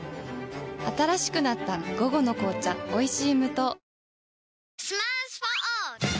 新しくなった「午後の紅茶おいしい無糖」